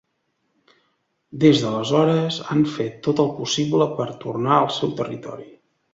Des d'aleshores han fet tot el possible per tornar al seu territori.